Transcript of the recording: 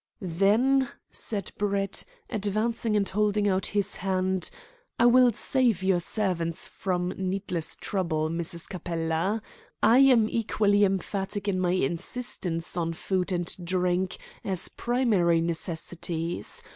"Then," said Brett, advancing and holding out his hand, "I will save your servants from needless trouble, Mrs. Capella. I am equally emphatic in my insistence on food and drink as primary necessities.